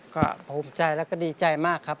ก็ภูมิใจแล้วก็ดีใจมากครับ